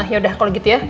yaudah kalo gitu ya